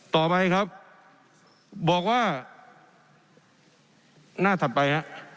ต่อไปครับบอกว่าหน้าถัดไปฮะ